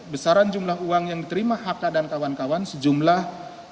besaran jumlah uang yang diterima hk dan kawan kawan sejumlah